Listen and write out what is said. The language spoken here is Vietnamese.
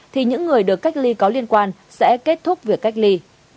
thì những người được cách ly có liên quan sẽ kết thúc việc cách ly